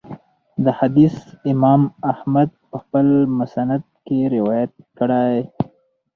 دا حديث امام احمد په خپل مسند کي روايت کړی